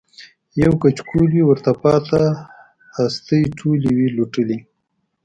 یو کچکول وي ورته پاته هستۍ ټولي وي لوټلي